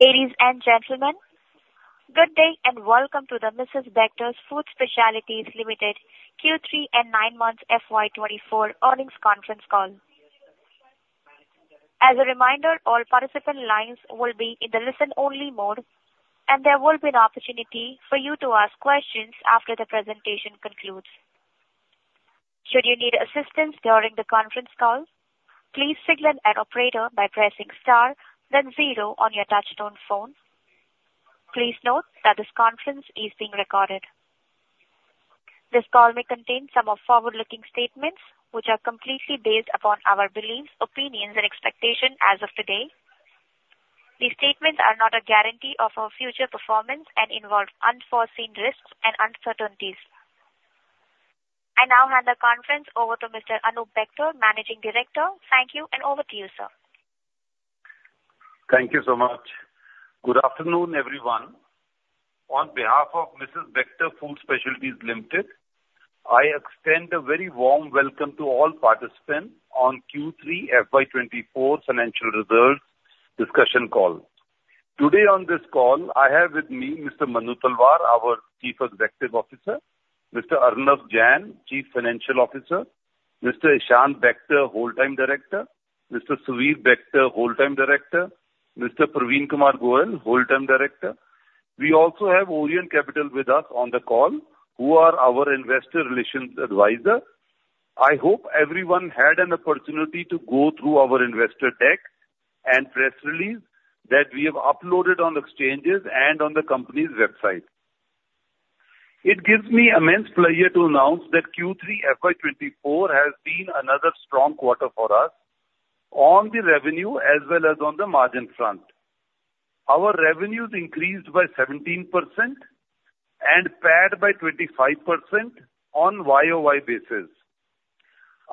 Ladies and gentlemen, good day and welcome to the Mrs. Bectors Food Specialities Limited Q3 and nine months FY24 earnings conference call. As a reminder, all participant lines will be in the listen-only mode, and there will be an opportunity for you to ask questions after the presentation concludes. Should you need assistance during the conference call, please signal an operator by pressing * then 0 on your touch-tone phone. Please note that this conference is being recorded. This call may contain some forward-looking statements which are completely based upon our beliefs, opinions, and expectations as of today. These statements are not a guarantee of our future performance and involve unforeseen risks and uncertainties. I now hand the conference over to Mr. Anoop Bector, Managing Director. Thank you, and over to you, sir. Thank you so much. Good afternoon, everyone. On behalf of Mrs. Bectors Food Specialities Limited, I extend a very warm welcome to all participants on Q3 FY24 financial results discussion call. Today on this call, I have with me Mr. Manu Talwar, our Chief Executive Officer; Mr. Arnav Jain, Chief Financial Officer; Mr. Ishan Bector, Whole-Time Director; Mr. Suvir Bector, Whole-Time Director; Mr. Parveen Kumar Goel, Whole-Time Director. We also have Orient Capital with us on the call, who are our Investor Relations Advisor. I hope everyone had an opportunity to go through our investor deck and press release that we have uploaded on exchanges and on the company's website. It gives me immense pleasure to announce that Q3 FY24 has been another strong quarter for us, on the revenue as well as on the margin front. Our revenues increased by 17% and PAT by 25% on YOY basis.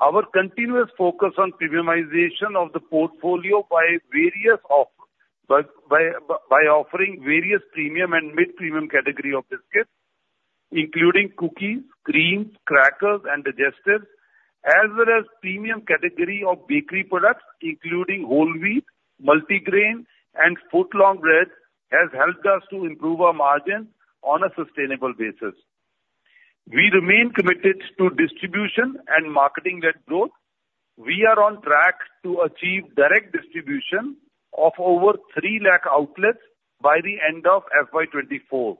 Our continuous focus on premiumization of the portfolio by offering various premium and mid-premium category biscuits, including cookies, creams, crackers, and digestives, as well as premium category bakery products including whole wheat, multigrain, and footlong bread has helped us to improve our margins on a sustainable basis. We remain committed to distribution and marketing-led growth. We are on track to achieve direct distribution of over 3,000,000 outlets by the end of FY24.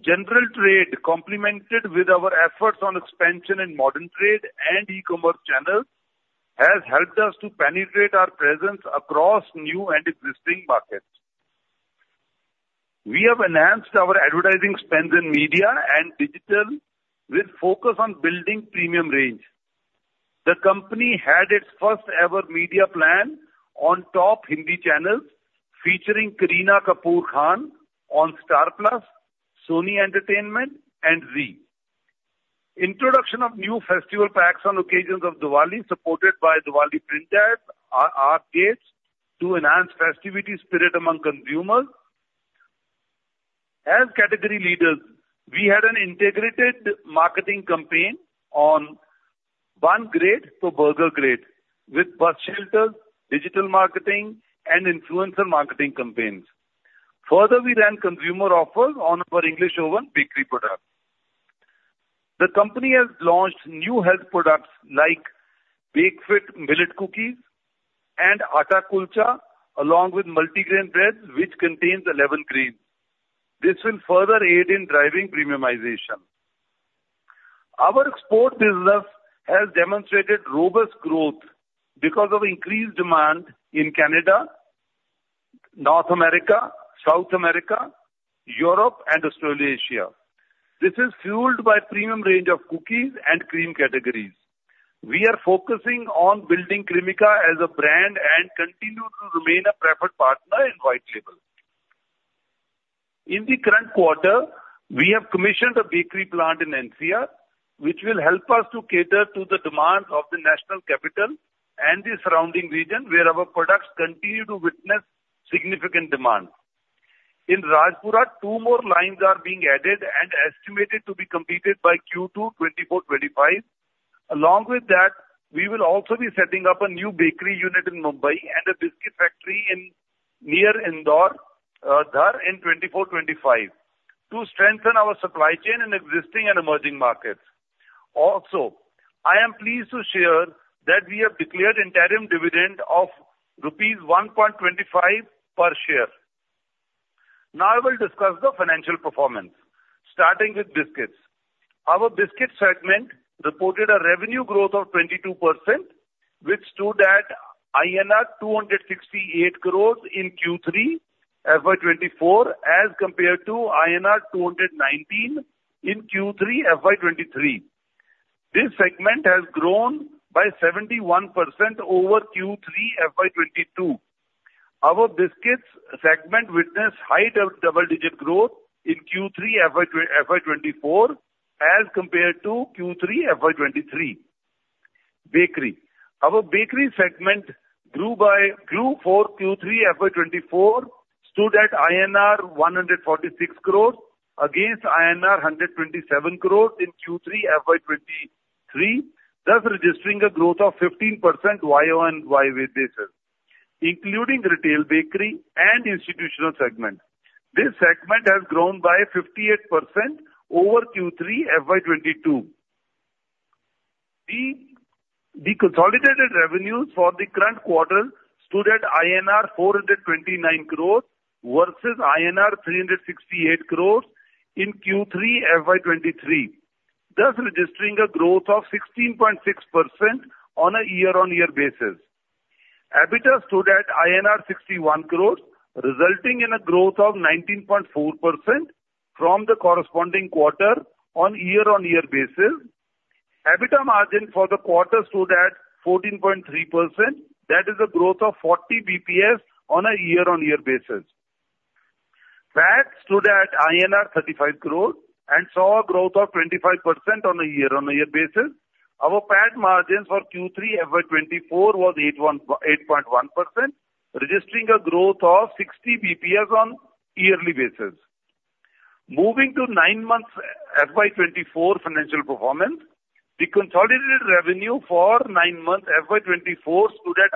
General trade, complemented with our efforts on expansion in modern trade and e-commerce channels, has helped us to penetrate our presence across new and existing markets. We have enhanced our advertising spends in media and digital with focus on building premium range. The company had its first-ever media plan on top Hindi channels featuring Kareena Kapoor Khan on Star Plus, Sony Entertainment, and Zee. Introduction of new festival packs on occasions of Diwali, supported by Diwali print ads, are a push to enhance festivity spirit among consumers. As category leaders, we had an integrated marketing campaign on "Bun Grade to Burger Grade" with bus shelters, digital marketing, and influencer marketing campaigns. Further, we ran consumer offers on our English Oven bakery products. The company has launched new health products like Bakefit Millet Cookies and Atta Kulcha, along with multigrain bread which contains 11 grains. This will further aid in driving premiumization. Our export business has demonstrated robust growth because of increased demand in Canada, North America, South America, Europe, and Australasia. This is fueled by a premium range of cookies and cream categories. We are focusing on building Cremica as a brand and continue to remain a preferred partner in white label. In the current quarter, we have commissioned a bakery plant in NCR which will help us to cater to the demands of the National Capital Region and the surrounding region where our products continue to witness significant demand. In Rajpura, 2 more lines are being added and estimated to be completed by Q2 2024-25. Along with that, we will also be setting up a new bakery unit in Mumbai and a biscuit factory near Indore, Dhar, in 2024-25 to strengthen our supply chain in existing and emerging markets. Also, I am pleased to share that we have declared interim dividend of rupees 1.25 per share. Now I will discuss the financial performance, starting with biscuits. Our biscuit segment reported a revenue growth of 22%, which stood at INR 268 crores in Q3 FY24 as compared to INR 219 in Q3 FY23. This segment has grown by 71% over Q3 FY22. Our biscuits segment witnessed high double-digit growth in Q3 FY24 as compared to Q3 FY23. Bakery: Our bakery segment grew for Q3 FY24, stood at INR 146 crores against INR 127 crores in Q3 FY23, thus registering a growth of 15% YOY basis, including retail bakery and institutional segment. This segment has grown by 58% over Q3 FY22. The consolidated revenues for the current quarter stood at INR 429 crores versus INR 368 crores in Q3 FY23, thus registering a growth of 16.6% on a year-on-year basis. EBITDA stood at INR 61 crores, resulting in a growth of 19.4% from the corresponding quarter on a year-on-year basis. EBITDA margin for the quarter stood at 14.3%, that is a growth of 40 basis points on a year-on-year basis. PAT stood at INR 35 crores and saw a growth of 25% on a year-on-year basis. Our PAT margin for Q3 FY24 was 8.1%, registering a growth of 60 basis points on a yearly basis. Moving to 9 months FY24 financial performance, the consolidated revenue for 9 months FY24 stood at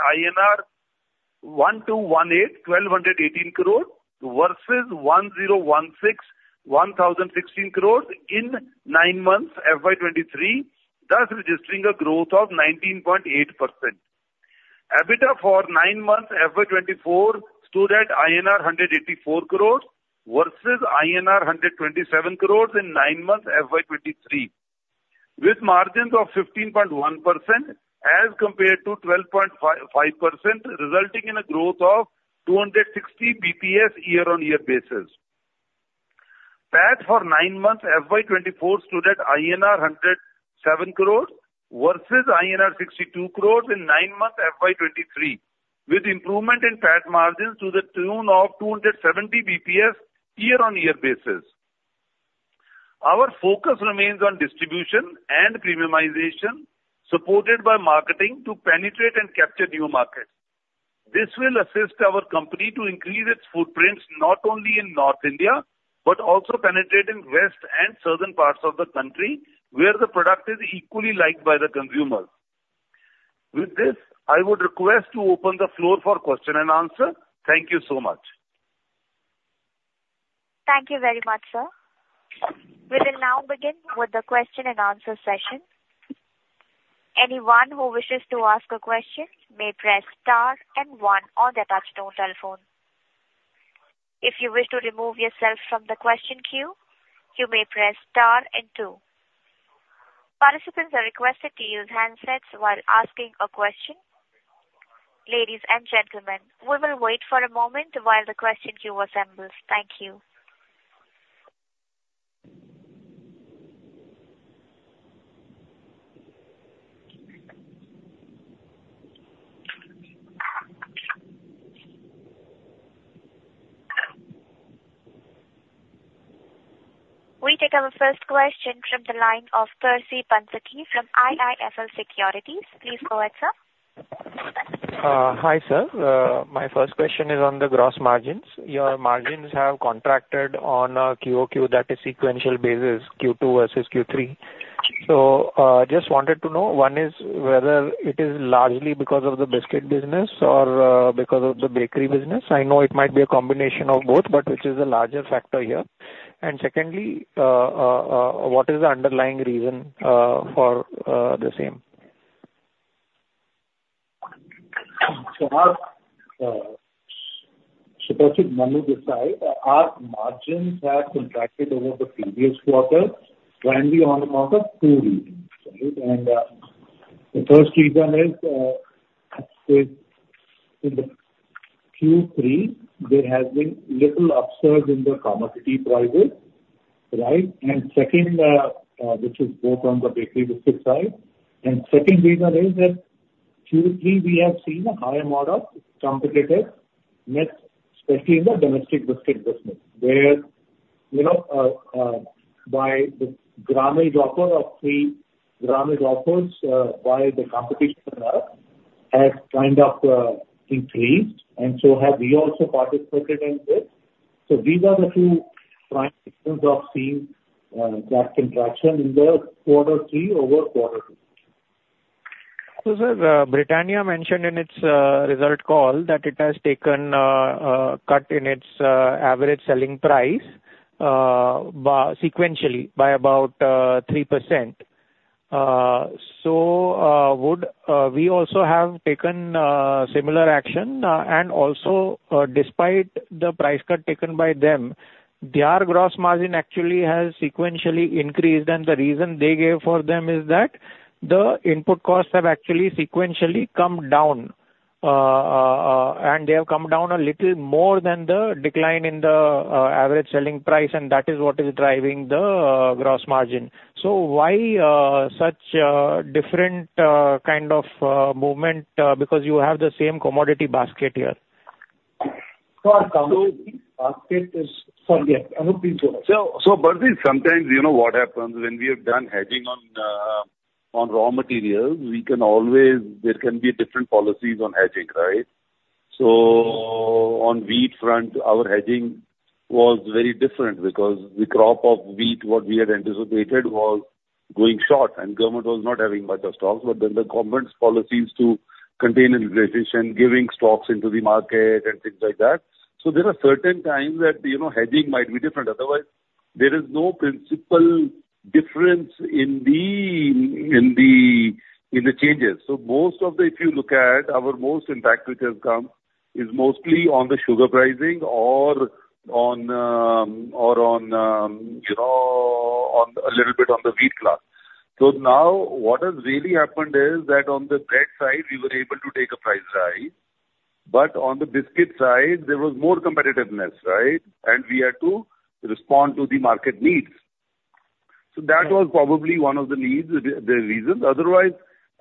1,218 crores versus 1,016 crores in 9 months FY23, thus registering a growth of 19.8%. EBITDA for 9 months FY24 stood at INR 184 crores versus INR 127 crores in 9 months FY23, with margins of 15.1% as compared to 12.5%, resulting in a growth of 260 basis points year-on-year basis. PAT for 9 months FY24 stood at INR 107 crores versus INR 62 crores in 9 months FY23, with improvement in PAT margins to the tune of 270 basis points year-on-year basis. Our focus remains on distribution and premiumization, supported by marketing, to penetrate and capture new markets. This will assist our company to increase its footprints not only in North India but also penetrate in western and southern parts of the country where the product is equally liked by the consumers. With this, I would request to open the floor for question and answer. Thank you so much. Thank you very much, sir. We will now begin with the question and answer session. Anyone who wishes to ask a question may press star and one on the touch-tone telephone. If you wish to remove yourself from the question queue, you may press star and two. Participants are requested to use handsets while asking a question. Ladies and gentlemen, we will wait for a moment while the question queue assembles. Thank you. We take our first question from the line of Percy Panthaki,. Please go ahead, sir. Hi, sir. My first question is on the gross margins. Your margins have contracted on a QOQ, that is, sequential basis, Q2 versus Q3. So I just wanted to know, one is whether it is largely because of the biscuit business or because of the bakery business. I know it might be a combination of both, but which is the larger factor here? And secondly, what is the underlying reason for the same? So, as our CEO Manu described, our margins have contracted over the previous quarter mainly on account of two reasons, right? And the first reason is in Q3, there has been little upsurge in the commodity prices, right? And second, which is both on the bakery biscuit side, and second reason is that Q3, we have seen a high amount of competitors, especially in the domestic biscuit business, where by the grammage offer of three grammage offers by the competition has kind of increased, and so have we also participated in this. So these are the two prime reasons of seeing that contraction in the quarter three over quarter two. So, sir, Britannia mentioned in its result call that it has taken a cut in its average selling price sequentially by about 3%. So would we also have taken similar action? And also, despite the price cut taken by them, their gross margin actually has sequentially increased, and the reason they gave for them is that the input costs have actually sequentially come down, and they have come down a little more than the decline in the average selling price, and that is what is driving the gross margin. So why such a different kind of movement? Because you have the same commodity basket here. Our commodity basket is. Sorry, Anup, please go ahead. So Percy, sometimes what happens when we have done hedging on raw materials, there can be different policies on hedging, right? So on wheat front, our hedging was very different because the crop of wheat, what we had anticipated, was going short, and government was not having much of stocks. But then the government's policies to contain inflation and giving stocks into the market and things like that. So there are certain times that hedging might be different. Otherwise, there is no principal difference in the changes. So most of the if you look at, our most impact which has come is mostly on the sugar pricing or on a little bit on the wheat cost. So now what has really happened is that on the bread side, we were able to take a price rise, but on the biscuit side, there was more competitiveness, right? We had to respond to the market needs. That was probably one of the reasons. Otherwise,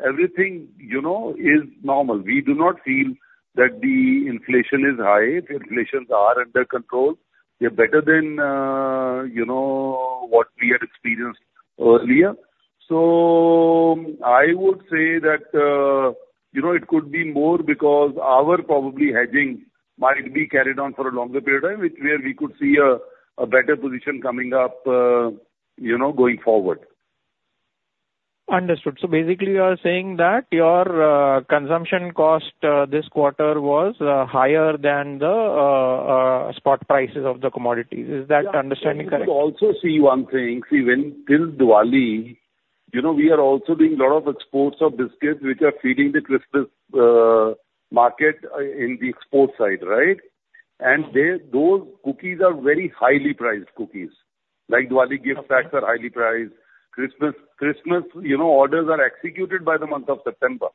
everything is normal. We do not feel that the inflation is high. The inflations are under control. They're better than what we had experienced earlier. I would say that it could be more because our probably hedging might be carried on for a longer period of time, which where we could see a better position coming up going forward. Understood. So basically, you are saying that your consumption cost this quarter was higher than the spot prices of the commodities. Is that understanding correct? We could also see one thing. See, till Diwali, we are also doing a lot of exports of biscuits which are feeding the Christmas market in the export side, right? And those cookies are very highly priced cookies. Diwali gift packs are highly priced. Christmas orders are executed by the month of September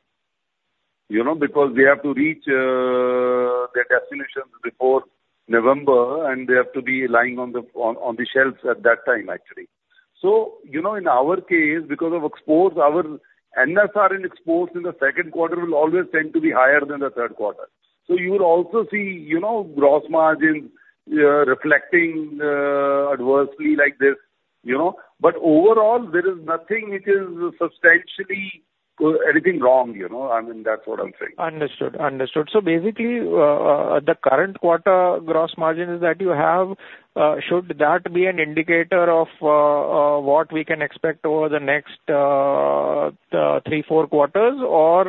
because they have to reach their destinations before November, and they have to be lying on the shelves at that time, actually. So in our case, because of exports, our NSR in exports in the second quarter will always tend to be higher than the third quarter. So you will also see gross margins reflecting adversely like this. But overall, there is nothing which is substantially anything wrong. I mean, that's what I'm saying. Understood. Understood. So basically, the current quarter gross margin is that you have. Should that be an indicator of what we can expect over the next three, four quarters, or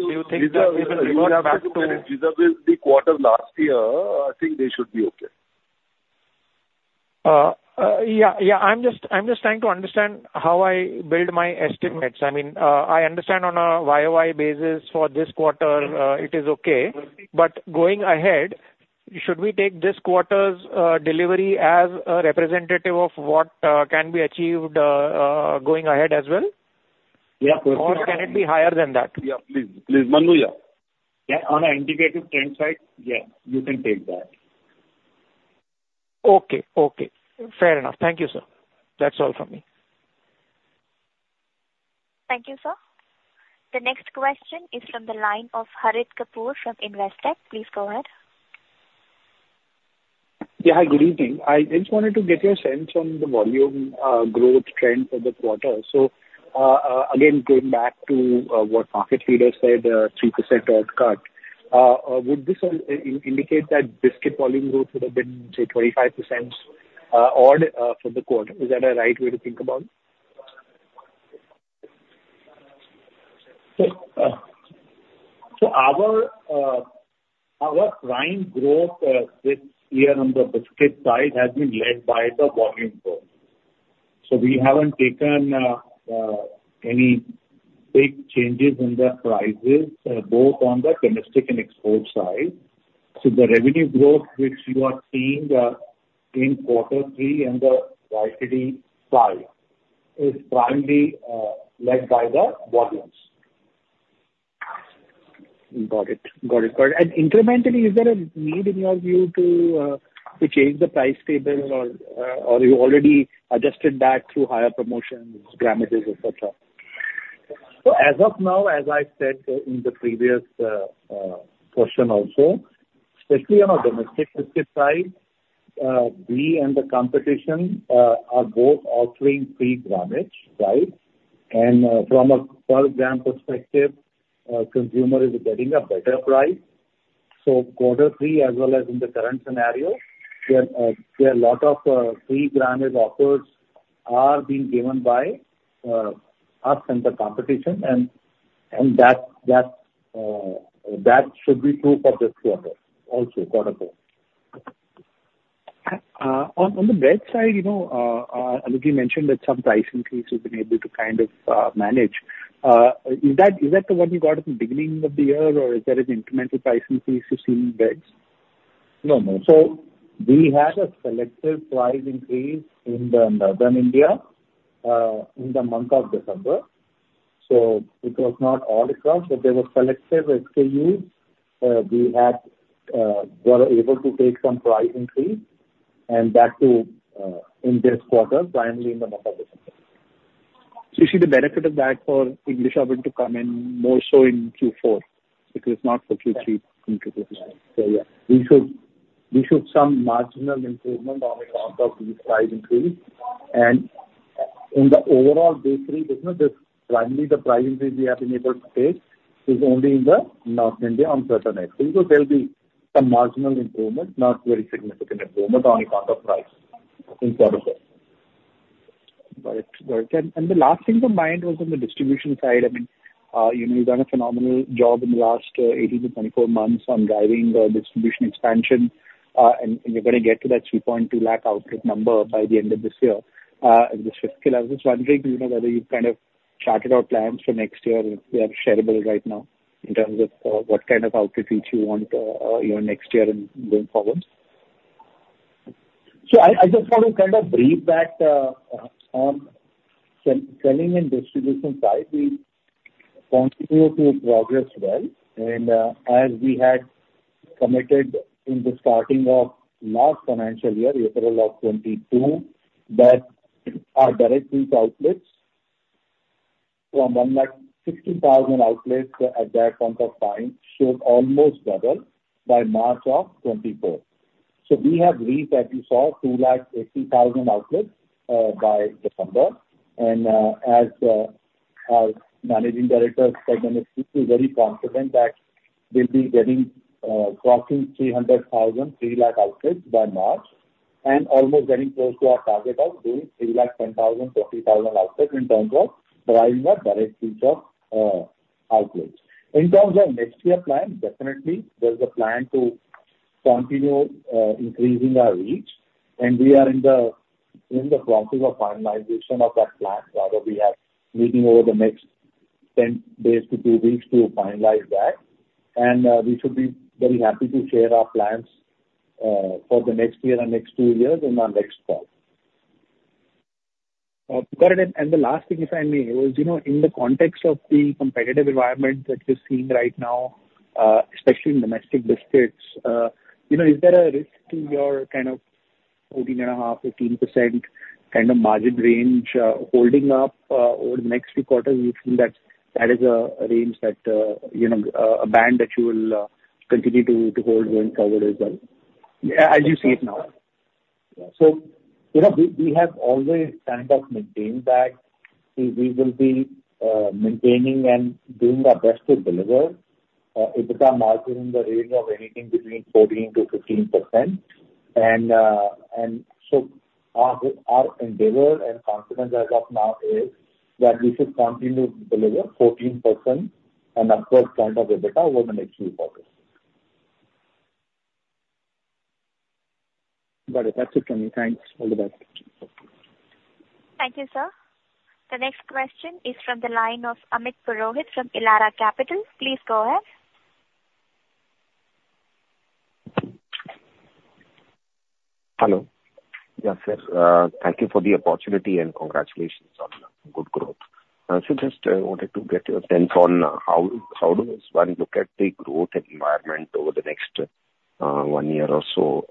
do you think that we will revert back to? Given the quarter last year, I think they should be okay. Yeah. Yeah. I'm just trying to understand how I build my estimates. I mean, I understand on a YOY basis for this quarter, it is okay. But going ahead, should we take this quarter's delivery as a representative of what can be achieved going ahead as well? Yeah, perfect. Or can it be higher than that? Yeah, please. Please, Manu, yeah. On an indicative trend side, yeah, you can take that. Okay. Okay. Fair enough. Thank you, sir. That's all from me. Thank you, sir. The next question is from the line of Harit Kapoor from Investec. Please go ahead. Yeah. Hi. Good evening. I just wanted to get your sense on the volume growth trend for the quarter. So again, going back to what market leaders said, 3% odd cut, would this indicate that biscuit volume growth would have been, say, 25% odd for the quarter? Is that a right way to think about it? Our primary growth this year on the biscuit side has been led by the volume growth. We haven't taken any big changes in the prices, both on the domestic and export side. The revenue growth which you are seeing in quarter three and the biscuit side is primarily led by the volumes. Got it. Got it. Got it. Incrementally, is there a need in your view to change the price tables, or you already adjusted that through higher promotions, gramages, etc.? So as of now, as I said in the previous question also, especially on our domestic biscuit side, we and the competition are both offering free gramage, right? And from a per-gram perspective, consumer is getting a better price. So quarter three, as well as in the current scenario, there are a lot of free gramage offers being given by us and the competition, and that should be true for this quarter also, quarter four. On the bread side, Anup, you mentioned that some price increase you've been able to kind of manage. Is that the one you got at the beginning of the year, or is there an incremental price increase you've seen in breads? No, no. So we had a selective price increase in Northern India in the month of December. So it was not all across, but there were selective SKUs we were able to take some price increase, and that too in this quarter, primarily in the month of December. So you see the benefit of that for English Oven to come in more so in Q4 because it's not for Q3 in Q4? Yeah. So yeah, we should see some marginal improvement on account of these price increases. And in the overall bakery business, primarily the price increase we have been able to take is only in Northern India on certain eggs. So you could tell there'll be some marginal improvement, not very significant improvement on account of price in quarter four. Got it. Got it. And the last thing on mind was on the distribution side. I mean, you've done a phenomenal job in the last 18-24 months on driving distribution expansion, and you're going to get to that 3.2 lakh output number by the end of this year. And this fiscal, I was just wondering whether you've kind of charted out plans for next year and if they are shareable right now in terms of what kind of output each you want next year and going forward. So I just want to kind of brief back on selling and distribution side. We continue to progress well. And as we had committed in the starting of last financial year, April of 2022, that our direct reach outlets from 160,000 outlets at that point of time should almost double by March of 2024. So we have reached, as you saw, 280,000 outlets by December. And as our Managing Director said in his speech, we're very confident that we'll be crossing 300,000, 3 lakh outlets by March and almost getting close to our target of doing 310,000, 3.1 lakh outlets in terms of driving a direct reach of outlets. In terms of next-year plans, definitely, there's a plan to continue increasing our reach, and we are in the process of finalization of that plan. Rather, we have meeting over the next 10 days to two weeks to finalize that. We should be very happy to share our plans for the next year and next two years in our next call. Got it. The last thing, if I may, was in the context of the competitive environment that you're seeing right now, especially in domestic biscuits, is there a risk to your kind of 14.5%-15% kind of margin range holding up over the next few quarters? You feel that that is a range that a band that you will continue to hold going forward as well, as you see it now? Yeah. So we have always kind of maintained that. We will be maintaining and doing our best to deliver. It is our margin in the range of anything between 14%-15%. And so our endeavor and confidence as of now is that we should continue to deliver 14% and upward trend of EBITDA over the next few quarters. Got it. That's it from me. Thanks. All the best. Thank you, sir. The next question is from the line of Amit Purohit from Elara Capital. Please go ahead. Hello. Yes, sir. Thank you for the opportunity, and congratulations on good growth. I just wanted to get your sense on how does one look at the growth and environment over the next one year or so,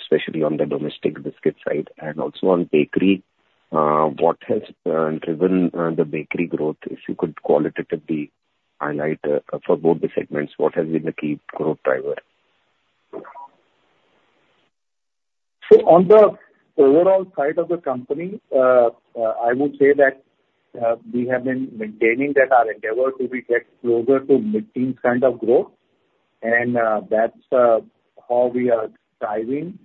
especially on the domestic biscuit side and also on bakery? What has driven the bakery growth, if you could qualitatively highlight for both the segments, what has been the key growth driver? On the overall side of the company, I would say that we have been maintaining that our endeavor to be closer to mid-teens kind of growth. That's how we are striving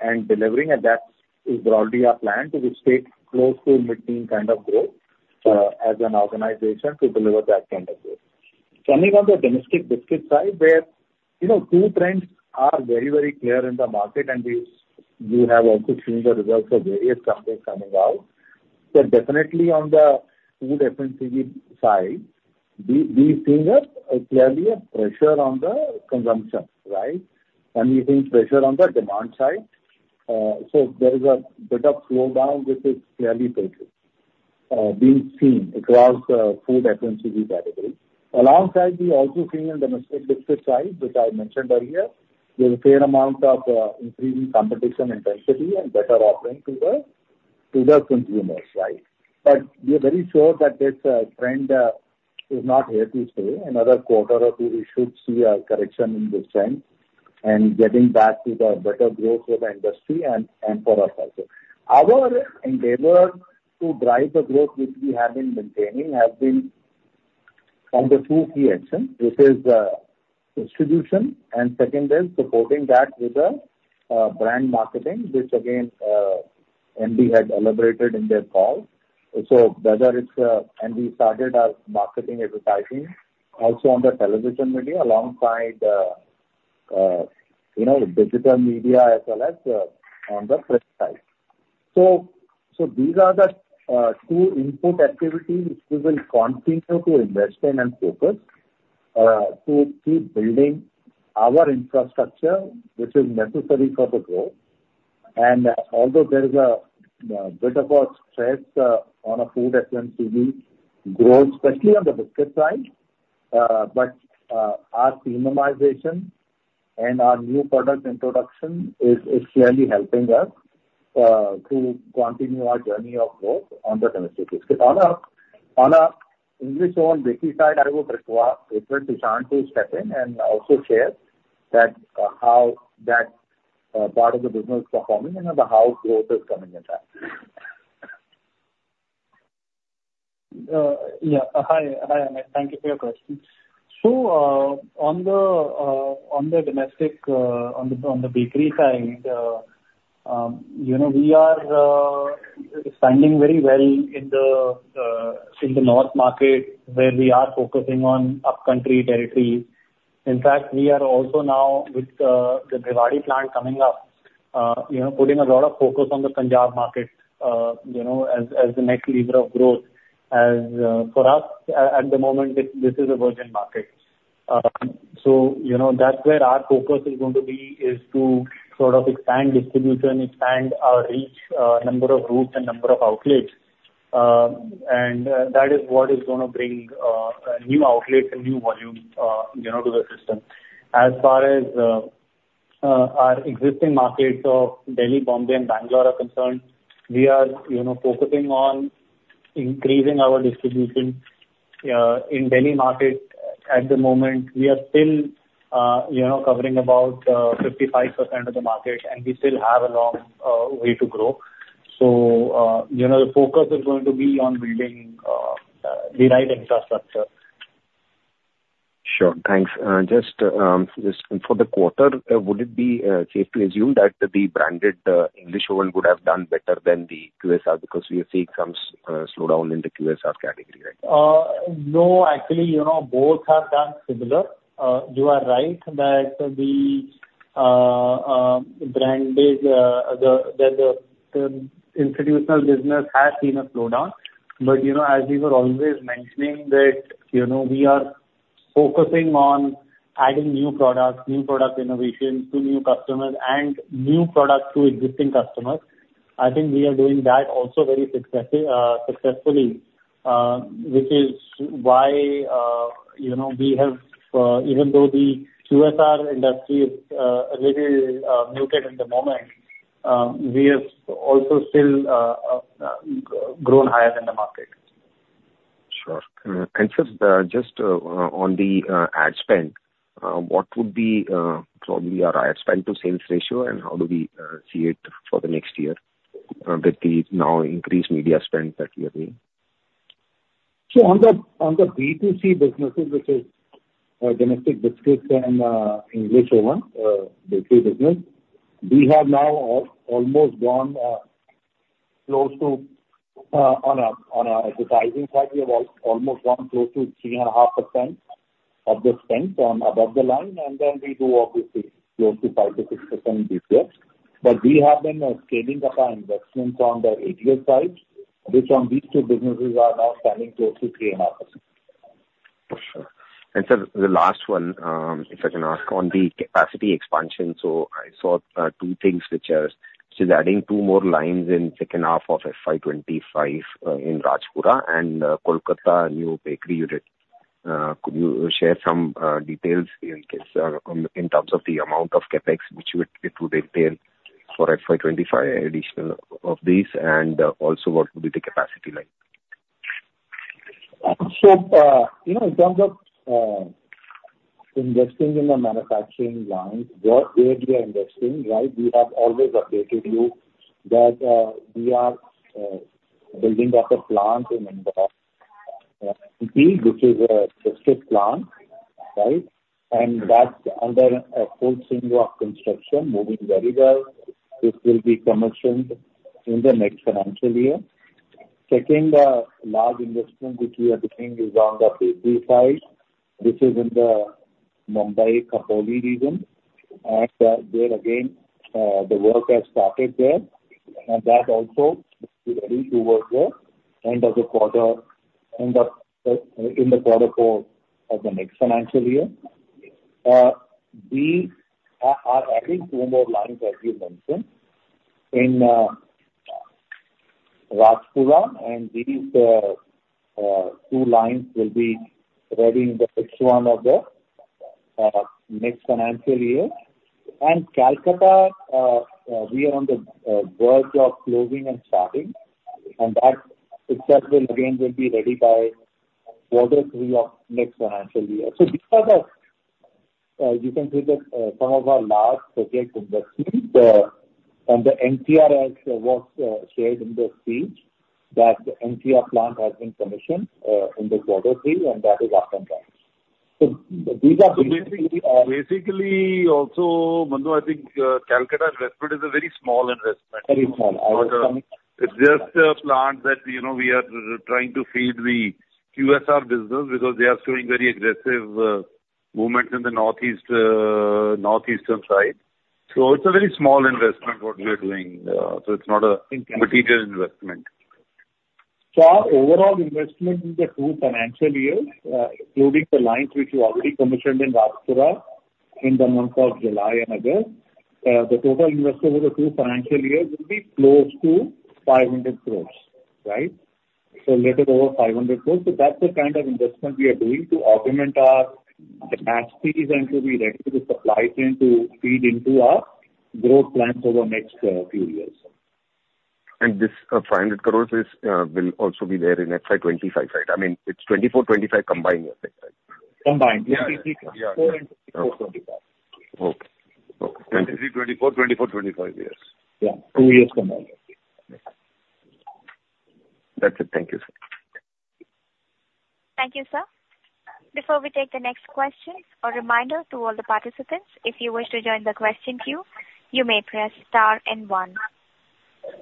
and delivering, and that is already our plan to stay close to mid-teens kind of growth as an organization to deliver that kind of growth. Coming on the domestic biscuit side, where two trends are very, very clear in the market, and you have also seen the results of various companies coming out, so definitely on the food FMCG side, we're seeing clearly a pressure on the consumption, right? And we're seeing pressure on the demand side. So there is a bit of slowdown, which is clearly being seen across the food FMCG category. Alongside, we're also seeing on the domestic biscuit side, which I mentioned earlier, there's a fair amount of increasing competition intensity and better offering to the consumers, right? But we're very sure that this trend is not here to stay. Another quarter or two, we should see a correction in this trend and getting back to the better growth for the industry and for us also. Our endeavor to drive the growth, which we have been maintaining, has been on the two key axes, which is distribution and second is supporting that with brand marketing, which again, MD had elaborated in their call. So whether it's and we started our marketing advertising also on the television media alongside digital media as well as on the print side. So these are the two input activities which we will continue to invest in and focus to keep building our infrastructure, which is necessary for the growth. Although there is a bit of a stress on a food FMCG growth, especially on the biscuit side, but our thematization and our new product introduction is clearly helping us to continue our journey of growth on the domestic biscuit. On our English Oven bakery side, I would request Ishan to step in and also share how that part of the business is performing and how growth is coming in time. Yeah. Hi, Amit. Thank you for your question. So on the domestic on the bakery side, we are standing very well in the north market where we are focusing on up-country territories. In fact, we are also now with the Bhiwadi plant coming up, putting a lot of focus on the Punjab market as the next lever of growth. For us, at the moment, this is a virgin market. So that's where our focus is going to be, is to sort of expand distribution and expand our reach, number of routes, and number of outlets. And that is what is going to bring new outlets and new volume to the system. As far as our existing markets of Delhi, Bombay, and Bangalore are concerned, we are focusing on increasing our distribution. In Delhi market at the moment, we are still covering about 55% of the market, and we still have a long way to grow. So the focus is going to be on building the right infrastructure. Sure. Thanks. Just for the quarter, would it be safe to assume that the branded English Oven would have done better than the QSR because we are seeing some slowdown in the QSR category, right? No, actually, both have done similar. You are right that the branded that the institutional business has seen a slowdown. But as we were always mentioning, that we are focusing on adding new products, new product innovations to new customers, and new products to existing customers. I think we are doing that also very successfully, which is why we have, even though the QSR industry is a little muted at the moment, also still grown higher in the market. Sure. Just on the ad spend, what would be probably our ad spend-to-sales ratio, and how do we see it for the next year with the now increased media spend that we are doing? So on the B2C businesses, which is domestic biscuits and English Oven bakery business, we have now almost gone close to on our advertising side, we have almost gone close to 3.5% of the spend on above the line. And then we do, obviously, close to 5%-6% BPS. But we have been scaling up our investments on the ATL side, which on these two businesses are now standing close to 3.5%. For sure. And so the last one, if I can ask, on the capacity expansion, so I saw two things, which is adding two more lines in second half of FY25 in Rajpura and Kolkata new bakery unit. Could you share some details in terms of the amount of CapEx, which it would entail for FY25, additional of these, and also what would be the capacity line? So in terms of investing in the manufacturing lines, where we are investing, right, we have always updated you that we are building up a plant in Indore, which is a biscuit plant, right? And that's under full swing construction, moving very well. This will be commissioned in the next financial year. Second large investment which we are doing is on the bakery side. This is in the Mumbai-Khopoli region. And there, again, the work has started there. And that also will be ready to work there end of the quarter end of in the quarter four of the next financial year. We are adding two more lines, as you mentioned, in Rajpura, and these two lines will be ready in the next one of the next financial year. And Kolkata, we are on the verge of closing and starting. That itself, again, will be ready by quarter three of next financial year. These are the, you can see that, some of our large project investments. The NTR has shared in the speech that the NTR plant has been commissioned in the quarter three, and that is up and running. These are basically. Basically, also, Manu, I think Kolkata investment is a very small investment. Very small. It's just a plant that we are trying to feed the QSR business because they are showing very aggressive movements in the northeastern side. So it's a very small investment what we are doing. So it's not a material investment. So our overall investment in the two financial years, including the lines which we already commissioned in Rajpura in the months of July and August, the total investment over two financial years will be close to 500 crore, right? So a little over 500 crore. So that's the kind of investment we are doing to augment our capacities and to be ready with the supply chain to feed into our growth plans over the next few years. This 500 crore will also be there in FY25, right? I mean, it's 24-25 combined, you said, right? Combined. 23-24-25. Okay. Okay. Thank you. 2024-25, yes. Yeah. Two years combined. That's it. Thank you, sir. Thank you, sir. Before we take the next question, a reminder to all the participants, if you wish to join the question queue, you may press star and one.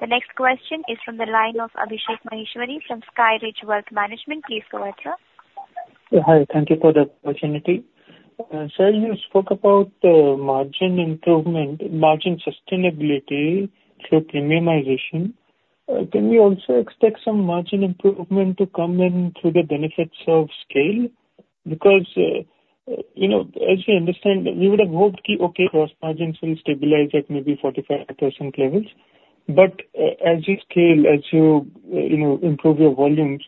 The next question is from the line of Abhishek Maheshwari from SkyRidge Wealth Management. Please go ahead, sir. Hi. Thank you for the opportunity. Sir, you spoke about margin improvement, margin sustainability through premiumization. Can we also expect some margin improvement to come in through the benefits of scale? Because as we understand, we would have hoped that, okay, gross margins will stabilize at maybe 45% levels. But as you scale, as you improve your volumes,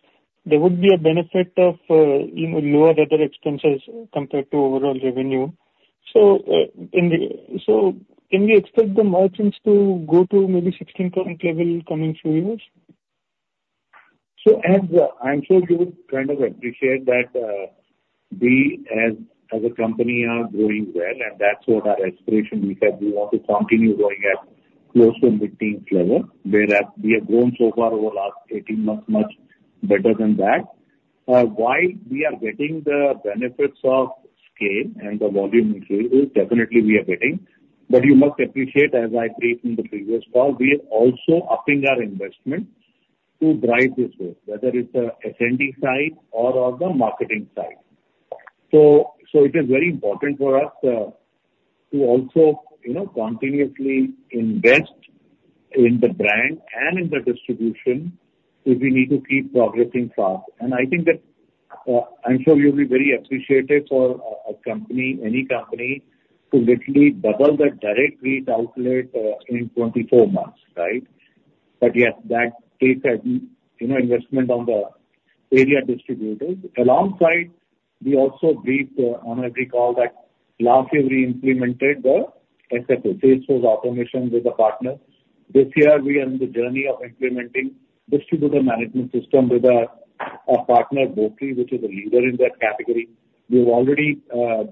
there would be a benefit of lower other expenses compared to overall revenue. So can we expect the margins to go to maybe 16% level coming few years? So I'm sure you would kind of appreciate that we, as a company, are growing well, and that's what our aspiration we have. We want to continue growing at close to mid-teens level, whereas we have grown so far over the last 18 months, much better than that. While we are getting the benefits of scale and the volume increase, definitely, we are getting. But you must appreciate, as I briefed in the previous call, we are also upping our investment to drive this growth, whether it's the S&D side or the marketing side. So it is very important for us to also continuously invest in the brand and in the distribution if we need to keep progressing fast. And I think that I'm sure you'll be very appreciative for a company, any company, to literally double the direct rate outlet in 24 months, right? But yes, that takes investment on the area distributors. Alongside, we also briefed on every call that last year, we implemented the SFA, Sales Force Automation, with a partner. This year, we are in the journey of implementing distributor management system with a partner, Botree, which is a leader in that category. We have already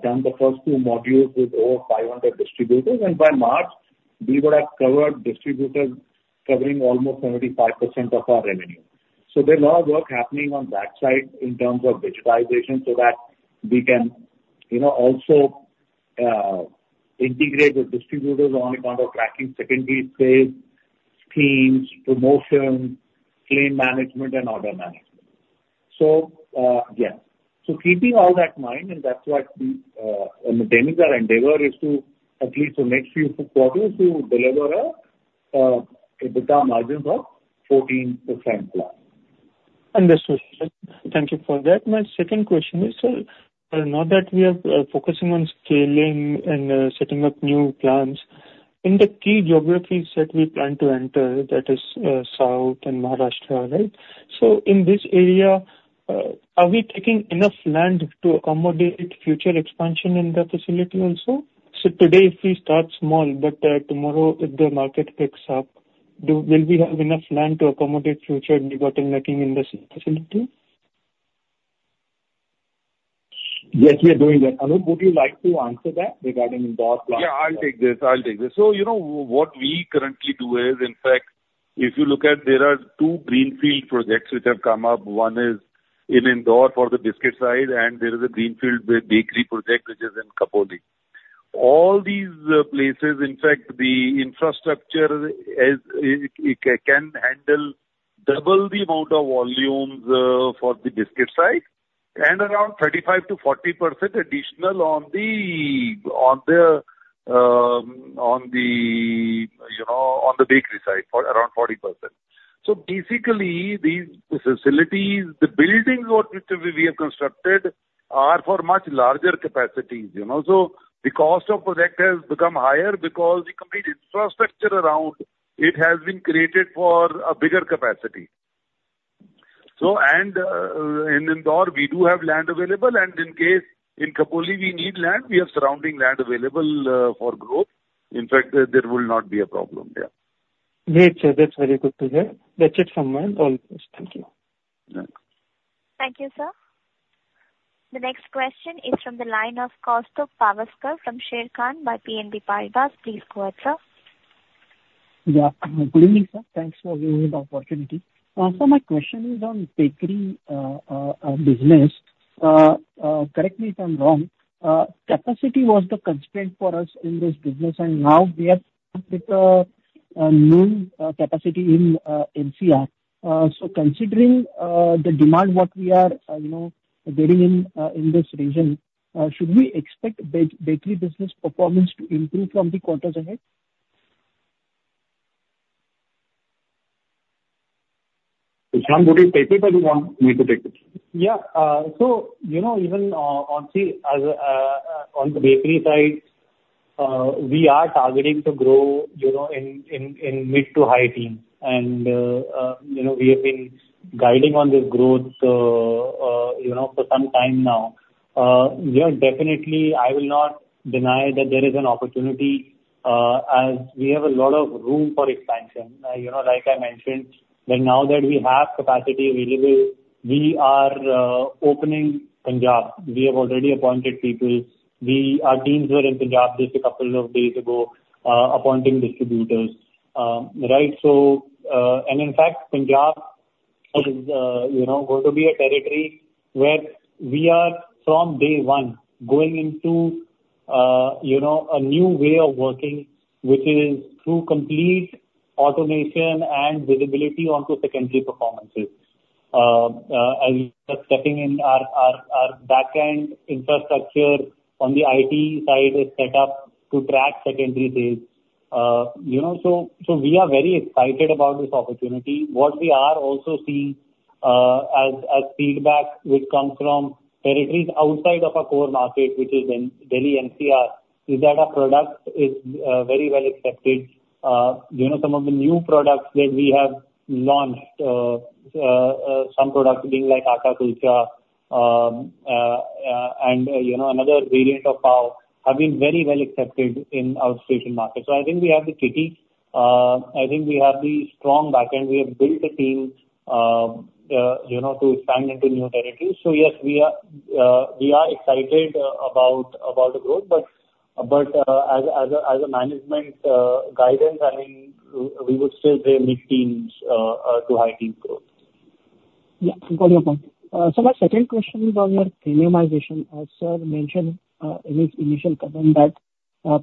done the first two modules with over 500 distributors. And by March, we would have covered distributors covering almost 75% of our revenue. So there's a lot of work happening on that side in terms of digitization so that we can also integrate with distributors on account of tracking secondary sales, teams, promotion, claim management, and order management. So yes. So keeping all that in mind, and that's what maintaining our endeavor is to at least the next few quarters to deliver a margin of 14%+. Thank you for that. My second question is, sir, now that we are focusing on scaling and setting up new plants, in the key geographies that we plan to enter, that is south and Maharashtra, right? So in this area, are we taking enough land to accommodate future expansion in the facility also? So today, if we start small, but tomorrow, if the market picks up, will we have enough land to accommodate future nibbling-snacking in the facility? Yes, we are doing that. Would you like to answer that regarding Indore plant? Yeah, I'll take this. I'll take this. So what we currently do is, in fact, if you look at, there are two greenfield projects which have come up. One is in Indore for the biscuit side, and there is a greenfield bakery project which is in Khopoli. All these places, in fact, the infrastructure can handle double the amount of volumes for the biscuit side and around 35%-40% additional on the bakery side, around 40%. So basically, these facilities, the buildings which we have constructed are for much larger capacities. So the cost of project has become higher because the complete infrastructure around it has been created for a bigger capacity. And in Indore, we do have land available. And in case, in Khopoli, we need land, we have surrounding land available for growth. In fact, there will not be a problem there. Great, sir. That's very good to hear. That's it from my all of us. Thank you. Thank you, sir. The next question is from the line of Kaustubh Pawaskar from Ishaan by BNP Paribas. Please go ahead, sir. Yeah. Good evening, sir. Thanks for giving me the opportunity. Sir, my question is on bakery business. Correct me if I'm wrong. Capacity was the constraint for us in this business, and now we have a new capacity in NCR. So considering the demand what we are getting in this region, should we expect bakery business performance to improve from the quarters ahead? Shahan, would it be paper or do you want me to take it? Yeah. So even on the bakery side, we are targeting to grow in mid- to high-teens. We have been guiding on this growth for some time now. Definitely, I will not deny that there is an opportunity as we have a lot of room for expansion. Like I mentioned, now that we have capacity available, we are opening Punjab. We have already appointed people. Our teams were in Punjab just a couple of days ago, appointing distributors, right? And in fact, Punjab is going to be a territory where we are, from day one, going into a new way of working, which is through complete automation and visibility onto secondary performances. As we are stepping in, our backend infrastructure on the IT side is set up to track secondary sales. So we are very excited about this opportunity. What we are also seeing as feedback which comes from territories outside of our core market, which is then Delhi NCR, is that our product is very well accepted. Some of the new products that we have launched, some products being like Atta Kulcha and another variant of Pao, have been very well accepted in our station market. So I think we have the kitty. I think we have the strong backend. We have built a team to expand into new territories. So yes, we are excited about the growth. But as a management guidance, I mean, we would still be mid-teens to high-teens growth. Yeah. I've got your point. So my second question is on your premiumization. Sir mentioned in his initial comment that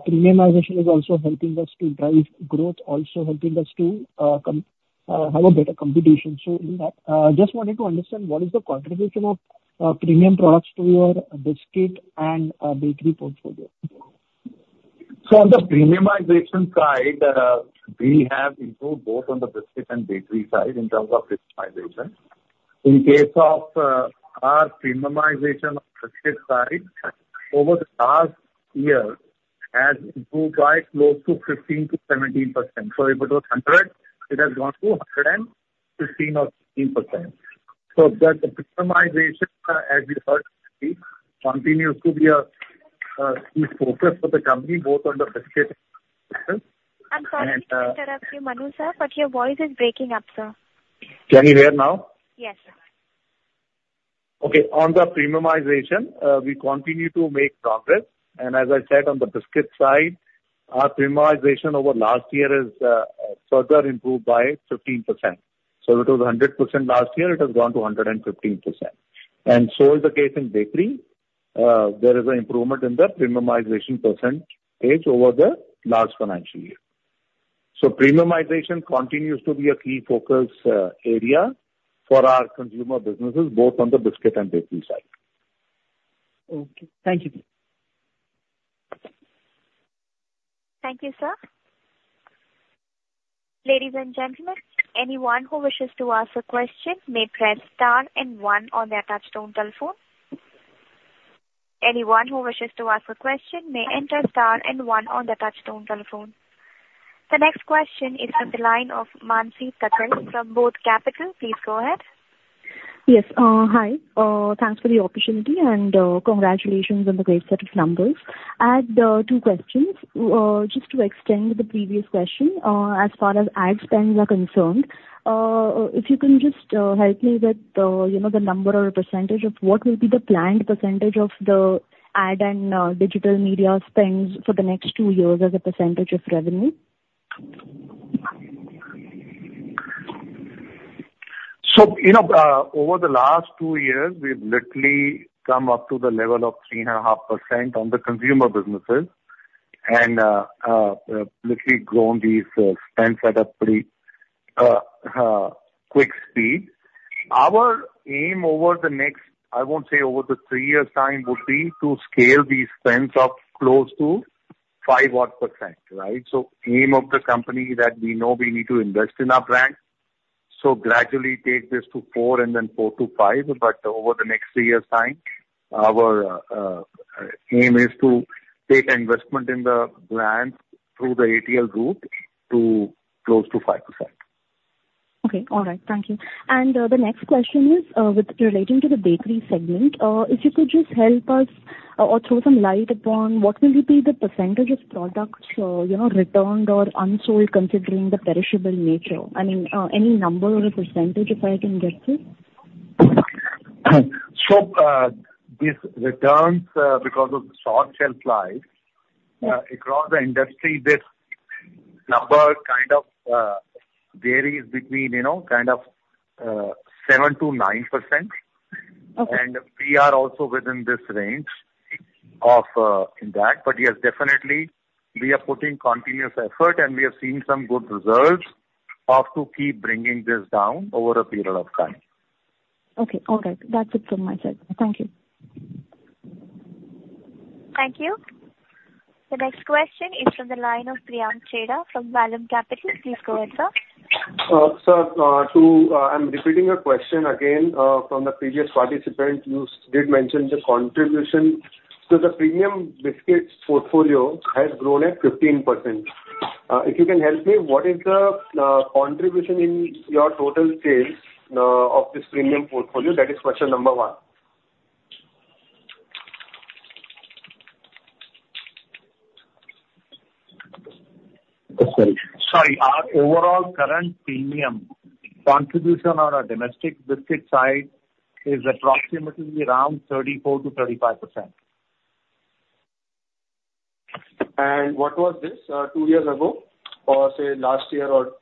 premiumization is also helping us to drive growth, also helping us to have a better competition. So in that, I just wanted to understand what is the contribution of premium products to your biscuit and bakery portfolio? So on the premiumization side, we have improved both on the biscuit and bakery side in terms of customization. In case of our premiumization on the biscuit side, over the last year, it has improved by close to 15%-17%. So if it was 100, it has gone to 115 or 16%. So the premiumization, as you heard, continues to be a key focus for the company, both on the biscuit and. I'm sorry to interrupt you, Manu, sir, but your voice is breaking up, sir. Can you hear now? Yes. Okay. On the premiumization, we continue to make progress. And as I said, on the biscuit side, our premiumization over last year has further improved by 15%. So if it was 100% last year, it has gone to 115%. And so is the case in bakery. There is an improvement in the premiumization percentage over the last financial year. So premiumization continues to be a key focus area for our consumer businesses, both on the biscuit and bakery side. Okay. Thank you. Thank you, sir. Ladies and gentlemen, anyone who wishes to ask a question may press star and one on the touch-tone telephone. Anyone who wishes to ask a question may enter star and one on the touch-tone telephone. The next question is from the line of Mansi Patel from BOB Capital Markets. Please go ahead. Yes. Hi. Thanks for the opportunity, and congratulations on the great set of numbers. I have two questions. Just to extend the previous question, as far as ad spends are concerned, if you can just help me with the number or percentage of what will be the planned percentage of the ad and digital media spends for the next two years as a percentage of revenue. So over the last two years, we've literally come up to the level of 3.5% on the consumer businesses and literally grown these spends at a pretty quick speed. Our aim over the next I won't say over the three years' time would be to scale these spends up close to 5 odd %, right? So aim of the company that we know we need to invest in our brand, so gradually take this to 4% and then 4%-5%. But over the next three years' time, our aim is to take investment in the brand through the ATL route to close to 5%. Okay. All right. Thank you. The next question is relating to the bakery segment. If you could just help us or throw some light upon, what will be the percentage of products returned or unsold considering the perishable nature? I mean, any number or a percentage, if I can get this? So these returns, because of the short-shelf lives across the industry, this number kind of varies between kind of 7%-9%. And we are also within this range in that. But yes, definitely, we are putting continuous effort, and we have seen some good results of keep bringing this down over a period of time. Okay. All right. That's it from my side. Thank you. Thank you. The next question is from the line of Priyank Chheda from Vallum Capital. Please go ahead, sir. Sir, I'm repeating your question again from the previous participant. You did mention the contribution. So the premium biscuits portfolio has grown at 15%. If you can help me, what is the contribution in your total sales of this premium portfolio? That is question number one. Sorry. Our overall current premium contribution on our domestic biscuit side is approximately around 34%-35%. What was this two years ago or, say, last year or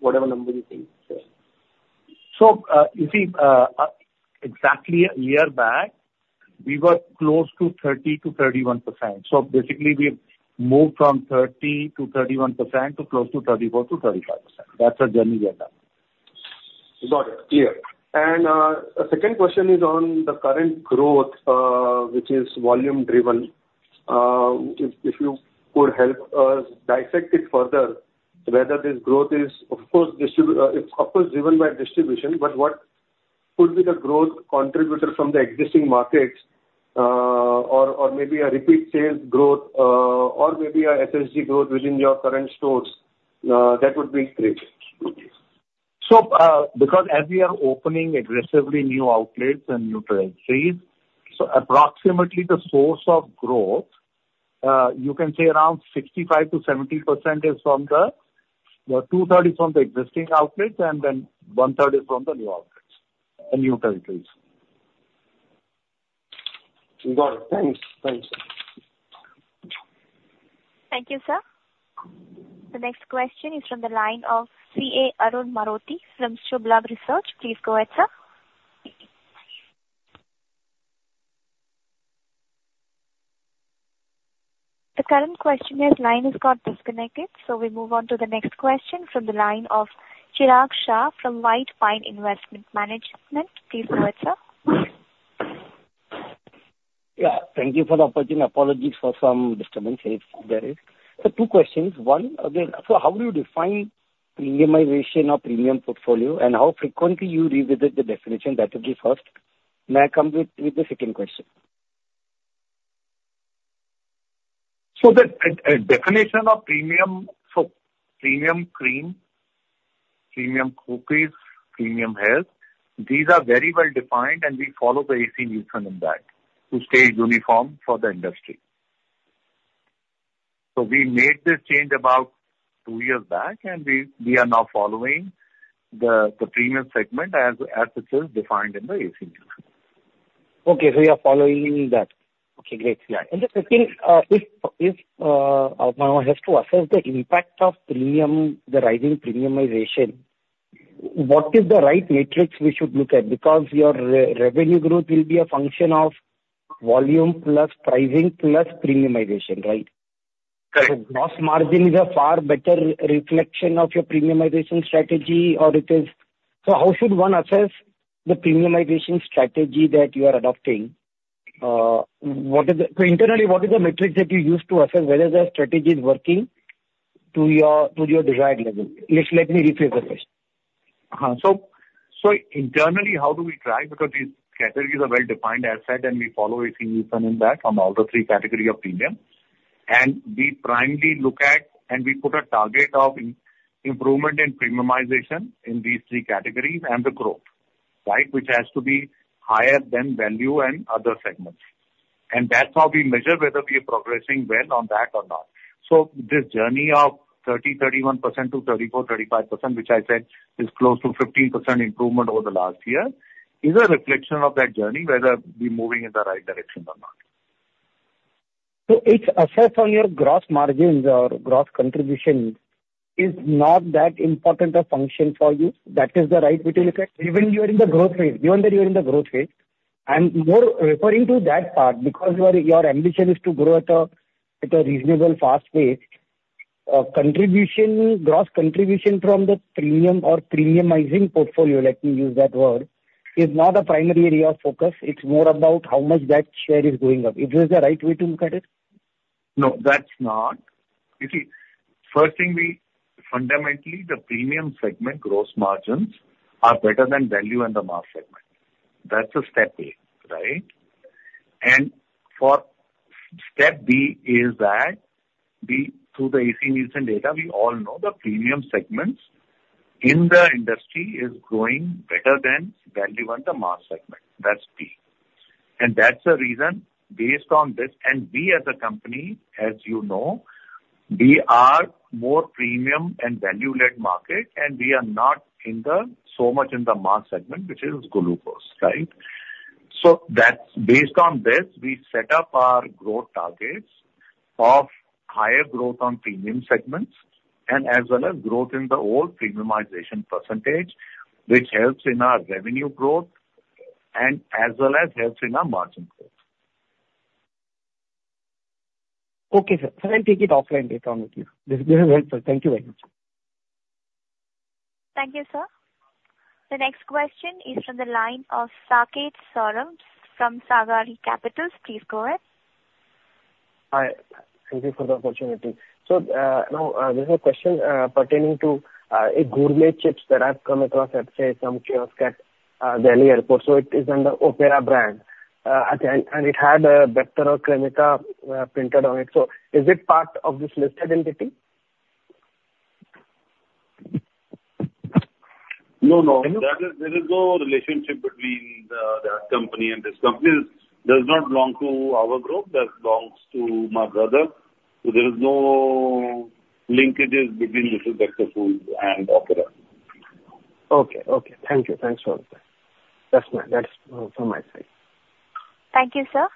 whatever number you think? You see, exactly a year back, we were close to 30%-31%. Basically, we've moved from 30%-31% to close to 34%-35%. That's the journey we have done. Got it. Clear. The second question is on the current growth, which is volume-driven. If you could help us dissect it further, whether this growth is, of course, driven by distribution, but what could be the growth contributor from the existing markets or maybe a repeat sales growth or maybe a SSG growth within your current stores? That would be great. Because as we are opening aggressively new outlets and new territories, so approximately the source of growth, you can say around 65%-70% is from the two-thirds from the existing outlets, and then one-third is from the new territories. Got it. Thanks. Thanks, sir. Thank you, sir. The next question is from the line of CA Arun Marothi from Shubh Labh Research. Please go ahead, sir. The current questioner's line has got disconnected, so we move on to the next question from the line of Chirag Shah from White Pine Investment Management. Please go ahead, sir. Yeah. Thank you for the opportunity. Apologies for some disturbance if there is. So two questions. One, again, so how do you define premiumization or premium portfolio, and how frequently you revisit the definition? That will be first. May I come with the second question? The definition of premium so premium cream, premium cookies, premium health, these are very well defined, and we follow the A.C. Nielsen in that to stay uniform for the industry. We made this change about two years back, and we are now following the premium segment as it is defined in the A.C. Nielsen. Okay. So you are following that. Okay. Great. In the second, if Manu has to assess the impact of the rising premiumization, what is the right matrix we should look at? Because your revenue growth will be a function of volume plus pricing plus premiumization, right? Correct. Gross margin is a far better reflection of your premiumization strategy, or is it? So how should one assess the premiumization strategy that you are adopting? Internally, what is the metric that you use to assess whether the strategy is working to your desired level? Let me rephrase the question. So internally, how do we drive? Because these categories are well defined, as said, and we follow A.C. Nielsen in that on all the three categories of premium. And we primarily look at and we put a target of improvement in premiumization in these three categories and the growth, right, which has to be higher than value and other segments. And that's how we measure whether we are progressing well on that or not. So this journey of 30%-31% to 34%-35%, which I said is close to 15% improvement over the last year, is a reflection of that journey, whether we're moving in the right direction or not. So, its assessment on your gross margins or gross contribution is not that important a function for you? That is the right way to look at it? Even you are in the growth phase. Given that you are in the growth phase, I'm more referring to that part because your ambition is to grow at a reasonable, fast pace. Gross contribution from the premium or premiumizing portfolio, let me use that word, is not a primary area of focus. It's more about how much that share is going up. Is this the right way to look at it? No, that's not. You see, first thing, fundamentally, the premium segment gross margins are better than value and the mass segment. That's step A, right? And step B is that through the A.C. Nielsen data, we all know the premium segments in the industry are growing better than value and the mass segment. That's B. And that's the reason based on this and we, as a company, as you know, we are more premium and value-led market, and we are not so much in the mass segment, which is glucose, right? So based on this, we set up our growth targets of higher growth on premium segments and as well as growth in the old premiumization percentage, which helps in our revenue growth and as well as helps in our margin growth. Okay, sir. I'll take it offline later on with you. This is helpful. Thank you very much. Thank you, sir. The next question is from the line of Saket Saurabh from Sagra Capital. Please go ahead. Hi. Thank you for the opportunity. So now, there's a question pertaining to gourmet chips that I've come across, let's say, some kiosks at Delhi airport. So it is under Opera brand, and it had a Bector Cremica printed on it. So is it part of this listed entity? No, no. There is no relationship between that company and this company. It does not belong to our group. That belongs to my brother. So there is no linkages between Mrs. Bectors Food Specialities and Opera. Okay. Okay. Thank you. Thanks for all the time. That's from my side. Thank you, sir.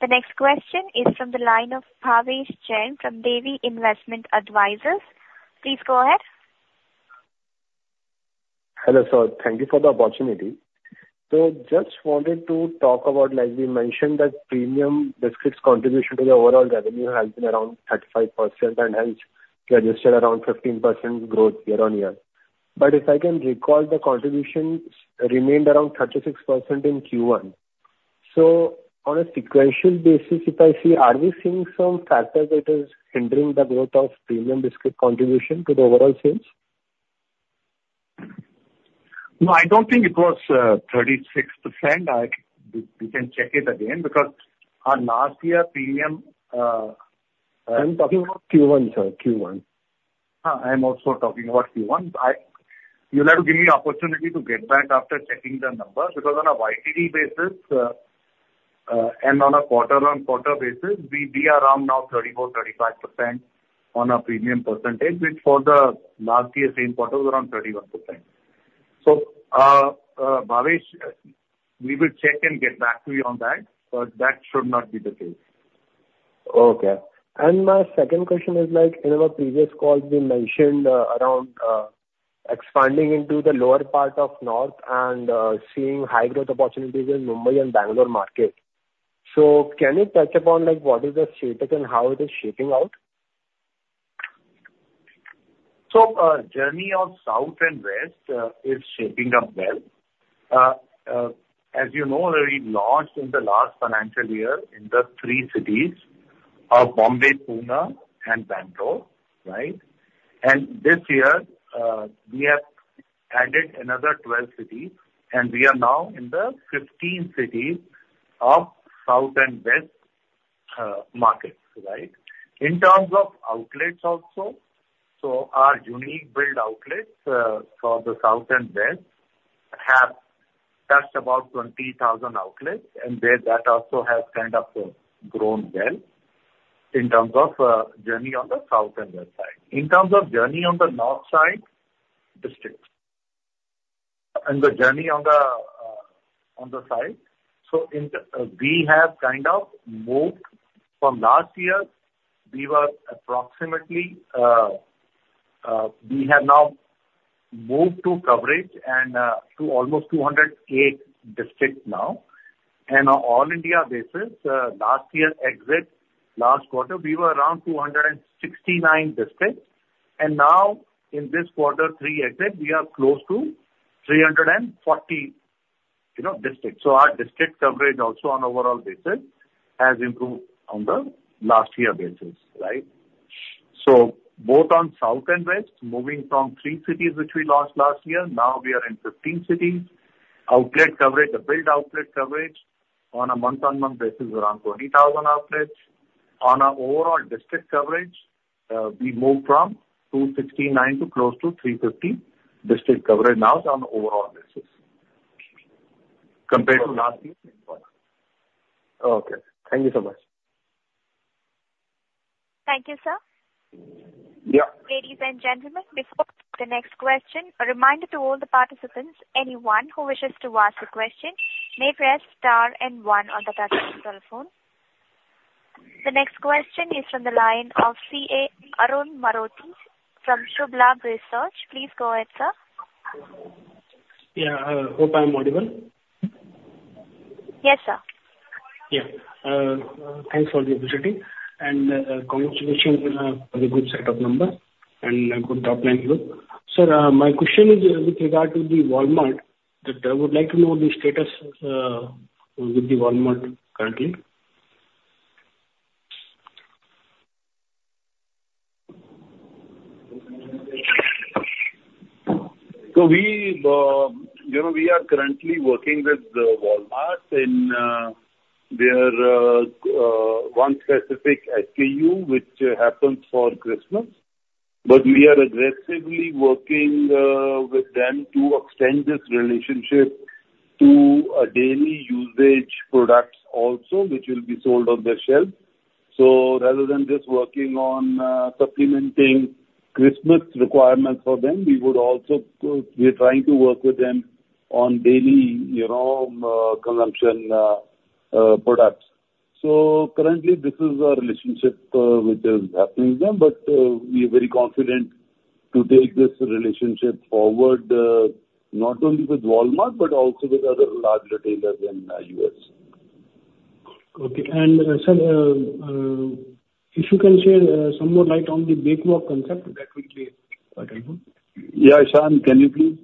The next question is from the line of Bhavesh Jain from Devi Investment Advisors. Please go ahead. Hello, sir. Thank you for the opportunity. So just wanted to talk about, like we mentioned, that premium biscuits contribution to the overall revenue has been around 35% and has registered around 15% growth year-on-year. But if I can recall, the contribution remained around 36% in Q1. So on a sequential basis, if I see, are we seeing some factors that are hindering the growth of premium biscuit contribution to the overall sales? No, I don't think it was 36%. We can check it again because last year, premium. I'm talking about Q1, sir. Q1. I am also talking about Q1. You'll have to give me the opportunity to get back after checking the numbers because on a YTD basis and on a quarter-over-quarter basis, we are around now 34%-35% on our premium percentage, which for the last year's same quarter was around 31%. So Bhavesh, we will check and get back to you on that, but that should not be the case. Okay. My second question is, in our previous calls, we mentioned around expanding into the lower part of North and seeing high growth opportunities in Mumbai and Bangalore markets. So can you touch upon what is the status and how it is shaping out? So the journey of south and west is shaping up well. As you know, we launched in the last financial year in the three cities of Mumbai, Pune, and Bengaluru, right? And this year, we have added another 12 cities, and we are now in the 15 cities of south and west markets, right, in terms of outlets also. So our unique-built outlets for the south and west have touched about 20,000 outlets, and that also has kind of grown well in terms of journey on the south and west side. In terms of journey on the north side. Districts and the journey on the side. So we have kind of moved from last year, we were approximately we have now moved to coverage to almost 208 districts now. And on an all-India basis, last year exit last quarter, we were around 269 districts. Now, in this quarter, 3 exits, we are close to 340 districts. So our district coverage also on an overall basis has improved on the last-year basis, right? So both on south and west, moving from 3 cities, which we launched last year, now we are in 15 cities. Outlet coverage, the built outlet coverage on a month-on-month basis is around 20,000 outlets. On our overall district coverage, we moved from 269 to close to 350 district coverage now on an overall basis compared to last year. Okay. Thank you so much. Thank you, sir. Yeah. Ladies and gentlemen, before the next question, a reminder to all the participants, anyone who wishes to ask a question may press star and one on the touchscreen telephone. The next question is from the line of CA Arun Marothi from Shubh Labh Research. Please go ahead, sir. Yeah. I hope I'm audible. Yes, sir. Yeah. Thanks for the opportunity and congratulations for the good set of numbers and good top-line growth. Sir, my question is with regard to the Walmart that I would like to know the status with the Walmart currently. So we are currently working with Walmart in their one specific SKU, which happens for Christmas. But we are aggressively working with them to extend this relationship to daily usage products also, which will be sold on their shelves. So rather than just working on supplementing Christmas requirements for them, we are trying to work with them on daily consumption products. So currently, this is our relationship which is happening with them, but we are very confident to take this relationship forward not only with Walmart but also with other large retailers in the U.S. Okay. And sir, if you can share some more light on the BakeWala concept, that would be quite helpful. Yeah, Sharekhan, can you please?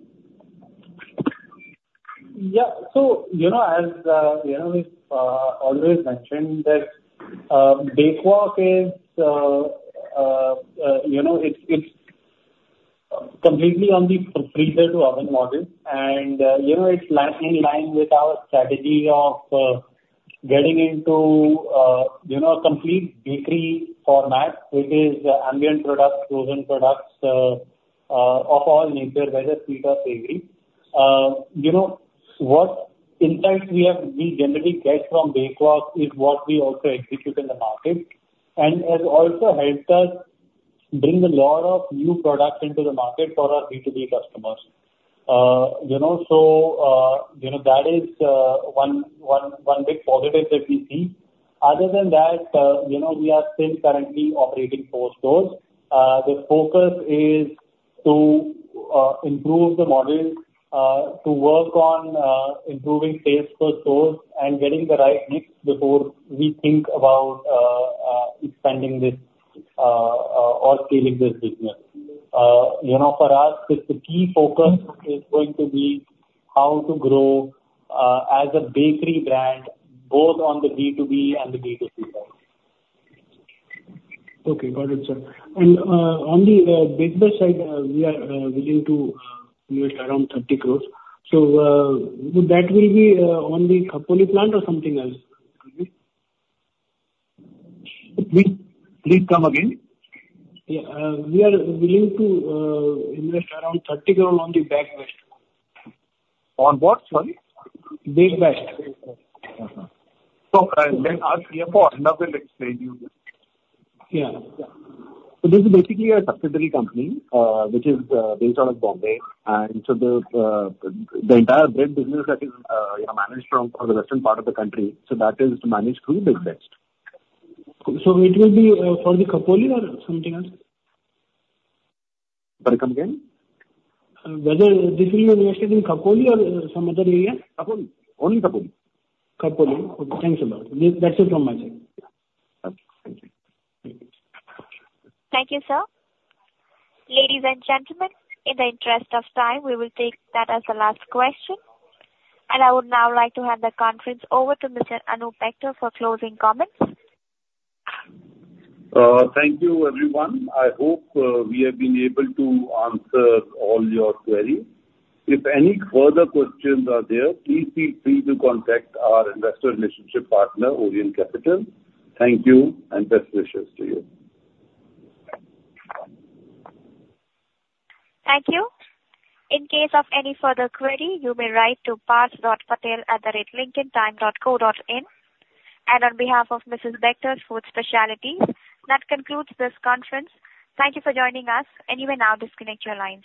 Yeah. So as we've always mentioned, BakeWala is completely on the freezer-to-oven model, and it's in line with our strategy of getting into a complete bakery format, which is ambient products, frozen products of all nature, whether sweet or savory. What insights we generally get from BakeWala is what we also execute in the market and has also helped us bring a lot of new products into the market for our B2B customers. So that is one big positive that we see. Other than that, we are still currently operating few stores. The focus is to improve the model, to work on improving sales per store, and getting the right mix before we think about expanding this or scaling this business. For us, the key focus is going to be how to grow as a bakery brand both on the B2B and the B2C side. Okay. Got it, sir. And on the business side, we are willing to invest around 30 crore. So that will be on the Khopoli plant or something else, will be? Please come again. Yeah. We are willing to invest around 30 crore on the Bakebest. On what, sorry? Bakebest. So let's ask you for another explanation. Yeah. So this is basically a subsidiary company which is based out of Mumbai. And so the entire bread business that is managed from the western part of the country, so that is managed through Bakebest. So it will be for the Khopoli or something else? Sorry, come again. Whether this will be invested in Khopoli or some other area? Khopoli. Only Khopoli. Khopoli. Okay. Thanks a lot. That's it from my side. Okay. Thank you. Thank you, sir. Ladies and gentlemen, in the interest of time, we will take that as the last question. I would now like to hand the conference over to Mr. Anup Bector for closing comments. Thank you, everyone. I hope we have been able to answer all your queries. If any further questions are there, please feel free to contact our investor relationship partner, Orient Capital. Thank you and best wishes to you. Thank you. In case of any further query, you may write to paras.patel@linkintime.co.in. On behalf of Mrs. Bectors Food Specialities, that concludes this conference. Thank you for joining us, and you may now disconnect your lines.